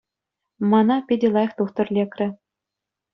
Мана питӗ лайӑх тухтӑр лекрӗ.